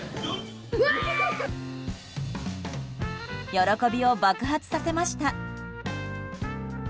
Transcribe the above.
喜びを爆発させました。